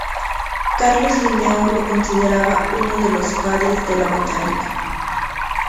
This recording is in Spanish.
Carlos Linneo lo consideraba uno de los ""Padres de la Botánica"".